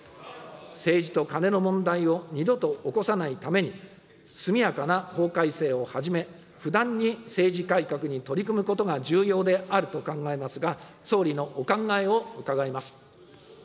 政治とカネの問題を二度と起こさないために、速やかな法改正をはじめ、不断に政治改革に取り組むことが重要であると考えますが、総理のお考えを伺います。